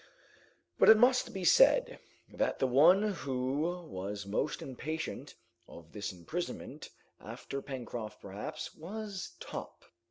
But it must be said, that the one who was most impatient of this imprisonment, after Pencroft perhaps, was Top.